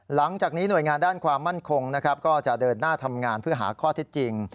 หลังจากนี้หน่วยงานด้านความมั่นคงนะครับก็จะเดินหน้าทำงานเพื่อหาข้อเท็จจริง